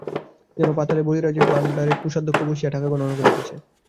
যেন পাতালে বলিরাজের ভাণ্ডারে কোষাধ্যক্ষ বসিয়া বসিয়া টাকা গণনা করিতেছে।